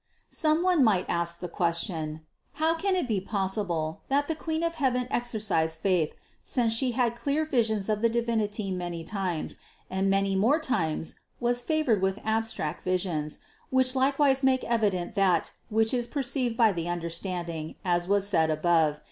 492. Some one might ask the question : how can it be possible, that the Queen of heaven exercised faith, since She had clear visions of the Divinity many times, and many more times was favored with abstract visions, which likewise make evident that which is perceived by the un derstanding, as was said above (No.